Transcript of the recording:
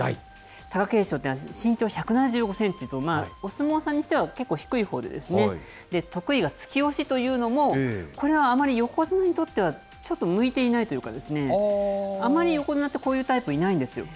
貴景勝というのは、身長１７５センチと、お相撲さんにしては、結構低いほうで、得意は突き押しというのも、これはあまり、横綱にとっては、ちょっと向いていないというか、あまり横綱って、こういうタイプいないんですよ。